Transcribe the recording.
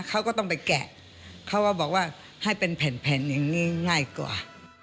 เขาก็ต้องไปแกะเขาก็บอกว่าให้เป็นแผ่นอย่างนี้ง่ายกว่า